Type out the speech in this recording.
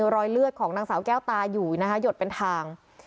รอยเลือดของนางสาวแก้วตาอยู่นะคะหยดเป็นทาง